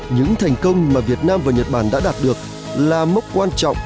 những thành công mà việt nam và nhật bản đã đạt được là mốc quan trọng